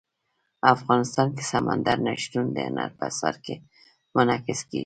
افغانستان کې سمندر نه شتون د هنر په اثار کې منعکس کېږي.